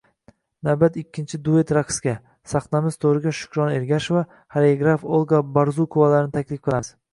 Navbat ikkinchi duyet raqsga. Sahnamiz to‘riga Shukrona Ergasheva - xoreograf Olga Bezrukovalarni taklif qilamiz.